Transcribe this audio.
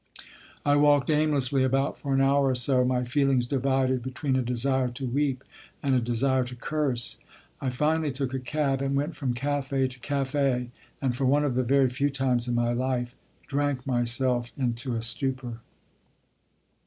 I walked aimlessly about for an hour or so, my feelings divided between a desire to weep and a desire to curse. I finally took a cab and went from café to café, and for one of the very few times in my life drank myself into a stupor.